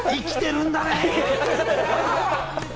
生きてるんだね。